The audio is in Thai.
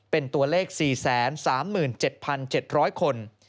เป็นตัวเลข๔๓๗๗๐๐คน